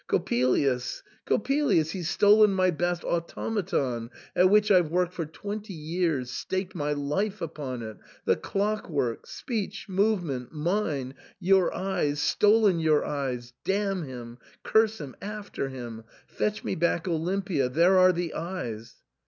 Coppelius — Coppelius — he's stolen my best automaton — at which I've worked for twenty years — staked my life upon it — the clock work — speech — movement — mine — your eyes — stolen your eyes — damn him — curse him — after him — fetch me back Olimpia — there are the eyes."